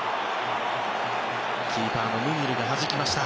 キーパー、ムニルがはじきました。